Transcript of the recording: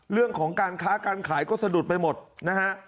เรื่องของการค้าการขายก็สะดุดไปหมดนะฮะ